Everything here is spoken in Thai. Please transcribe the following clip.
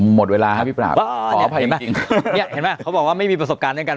หมดเวลาครับพี่ประหลาดเห็นไหมเขาบอกว่าไม่มีประสบการณ์ด้วยกัน